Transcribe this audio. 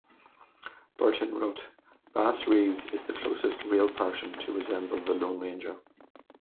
Burton wrote, "Bass Reeves is the closest real person to resemble the Lone Ranger".